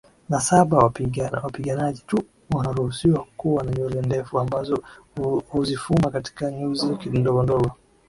na saba Wapiganaji tu wanaruhusiwa kuwa na nywele ndefu ambazo huzifuma katika nyuzi ndogondogo